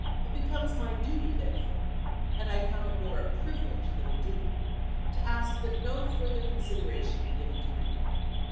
It becomes my duty, therefore, — and I count it more a privilege than a duty, — to ask that no further consideration be given to my name.